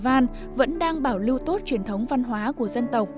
các dân tộc cũng đang bảo lưu tốt truyền thống văn hóa của dân tộc